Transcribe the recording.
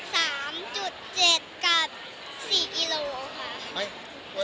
๓๗กับ๔กิโลค่ะ